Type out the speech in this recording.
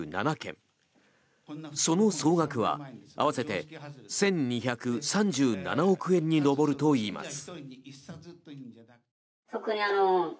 その総額は合わせて１２３７億円に上るといいます。